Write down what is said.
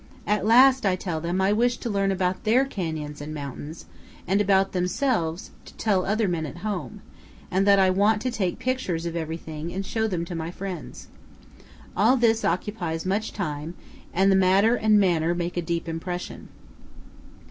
At last I tell them I wish to learn about their canyons and mountains, and about themselves, to tell other men at home; and that I want to take pictures of everything and show them to my friends. All this occupies much time, and the matter and manner make a deep impression.